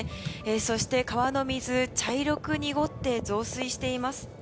そして、川の水は茶色く濁って増水しています。